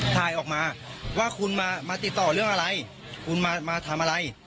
ถ่ายออกมาว่าคุณมาติดต่อเรื่องอะไรคุณมาทำอะไร